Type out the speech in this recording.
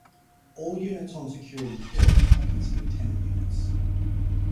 All units on Security Hill are considered tenant units.